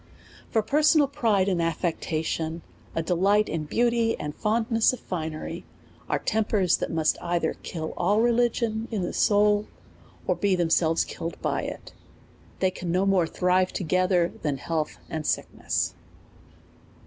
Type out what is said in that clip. For personal pride and affectation, a delig ht in beauty and fondness of finery, are tempers that must either kill all religion in the soul, or be themselves killed by it ; they can no more thrive together than health and sickness.